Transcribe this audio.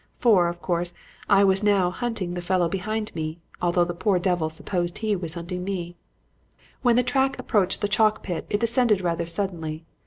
For, of course, I was now hunting the fellow behind me, although the poor devil supposed he was hunting me. "When the track approached the chalk pit, it descended rather suddenly.